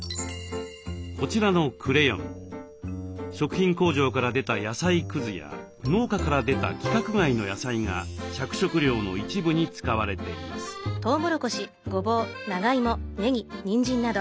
こちらのクレヨン食品工場から出た野菜くずや農家から出た規格外の野菜が着色料の一部に使われています。